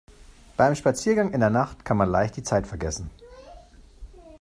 Bei einem Spaziergang in der Nacht kann man leicht die Zeit vergessen.